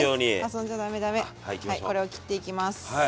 これを切っていきます。